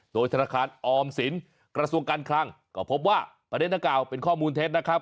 โดยธนาคารออมสินกระทรวงการคลังก็พบว่าประเด็นนักกล่าวเป็นข้อมูลเท็จนะครับ